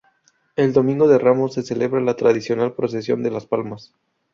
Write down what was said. El Domingo de Ramos se celebra la tradicional Procesión de las Palmas.